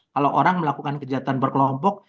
kalau orang melakukan kejahatan berkelompok